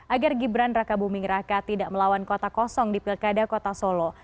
agar gibran raka buming raka tidak melawan kota kosong di pilkada kota solo